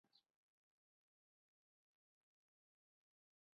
Confederate বাহিনীর trans-Mississippi দপ্তর এখানে প্রতিষ্ঠিত হয়েছিল।